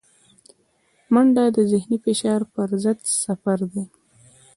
منډه د ذهني فشار پر ضد سپر دی